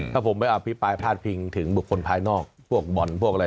ถ้าผมไม่อภิปรายพาดพิงถึงบุคคลภายนอกพวกบ่อนพวกอะไร